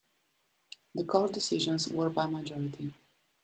The Court decisions were by majority.